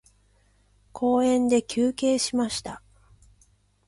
公園で休憩しました。